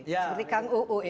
seperti kang uu ini